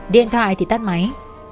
điện thoại thì tắt máy